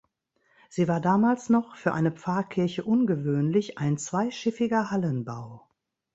Sie war damals noch, für eine Pfarrkirche ungewöhnlich, ein zweischiffiger Hallenbau.